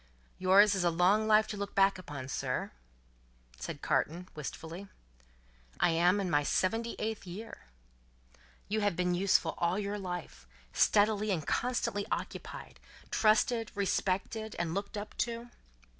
"Yours is a long life to look back upon, sir?" said Carton, wistfully. "I am in my seventy eighth year." "You have been useful all your life; steadily and constantly occupied; trusted, respected, and looked up to?"